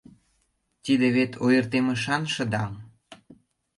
Тиде вет ойыртемышан шыдаҥ.